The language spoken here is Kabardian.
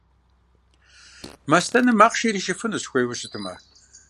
Мастэнэм махъшэ иришыфынущ, хуейуэ щытымэ.